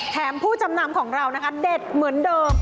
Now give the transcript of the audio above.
ผู้จำนำของเรานะคะเด็ดเหมือนเดิม